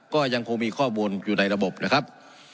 ก็ยังคงมีข้อมูลอยู่ในระบบนะครับ